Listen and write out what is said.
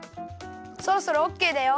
そろそろオッケーだよ。